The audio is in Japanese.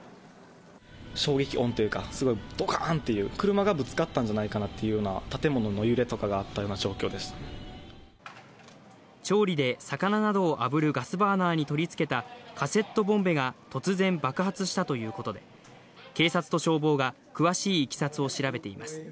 衝撃音というか、すごい、どかんっていう、車がぶつかったんじゃないかなっていうような建物の揺れとかがあ調理で魚などをあぶるガスバーナーに取り付けたカセットボンベが突然爆発したということで、警察と消防が詳しいいきさつを調べています。